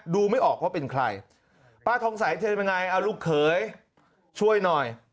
ดูไม่ออกว่าเป็นใครป้าทองใสเธอเป็นยังไงเอาลูกเขยช่วยหน่อย